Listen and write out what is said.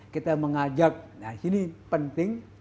kita mengajak nah ini penting